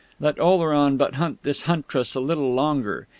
Let Oleron but hunt this Huntress a little longer...